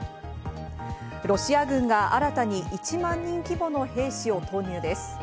ロシア軍が新たに１万人規模の兵士を投入です。